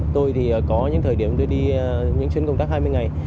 tôi thì có những thời điểm đưa đi những chuyến công tác hai mươi ngày